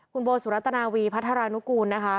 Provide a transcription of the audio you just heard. คุณโบสุรัตนาวีพัฒนานุกูลนะคะ